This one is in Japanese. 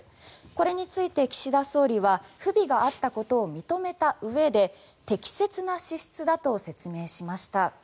これについて、岸田総理は不備があったことを認めたうえで適切な支出だと説明しました。